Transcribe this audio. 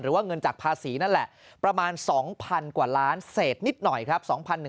ว่าเงินจากภาษีนั่นแหละประมาณ๒๐๐๐กว่าล้านเศษนิดหน่อยครับ